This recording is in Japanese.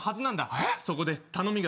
そこで頼みがある。